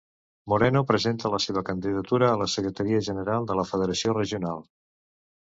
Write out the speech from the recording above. Moreno presenta la seva candidatura a la Secretaria General de la federació regional.